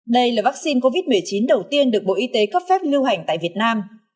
đây là vaccine covid một mươi chín đầu tiên được bộ y tế cấp phép lưu hành tại việt nam